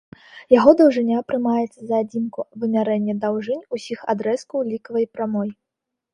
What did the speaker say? Яго даўжыня прымаецца за адзінку вымярэння даўжынь усіх адрэзкаў лікавай прамой.